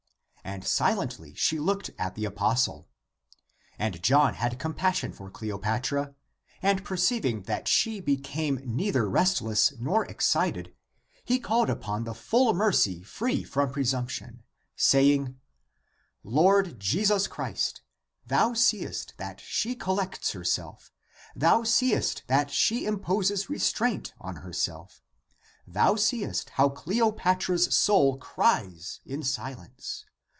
And silently she looked at the apostle. And John had compassion for Cleopatra, and, perceiving that she became neither restless nor excited, he called upon the full mercy free from presumption, saying, " Lord Jesus Christ, thou seest that she collects her self; thou seest that she imposes restraint on her self; thou seest how Cleopatra's soul cries in silence.